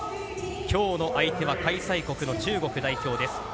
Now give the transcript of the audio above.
今日の相手は開催国の中国代表です。